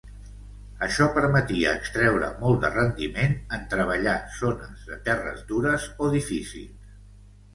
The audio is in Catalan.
Això permetia extreure molt de rendiment en treballar zones de terres dures o difícils.